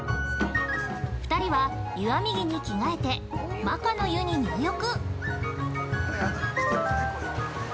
２人は湯浴み着に着替えて摩訶の湯に入浴。